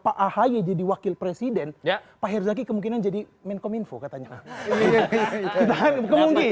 pak hijau jadi wakil presiden pak hezaki kemungkinan jadi mainipro katanya ya tapi dari semuanya lifted